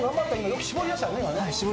よく絞り出したね今ね。